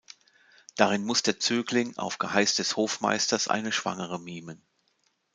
Darin muss der Zögling auf Geheiß des Hofmeisters eine Schwangere mimen.